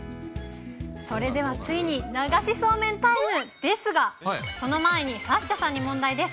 それではついに、流しそうめんタイムですが、その前にサッシャさんに問題です。